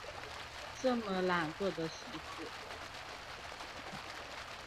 这么懒惰的媳妇